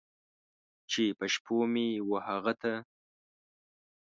چې په شپو مې و هغه ته!